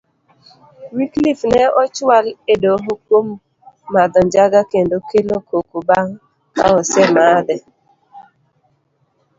Wyclife ne ochual edoho kuom madho njaga kendo kelo koko bang kaosemadhe.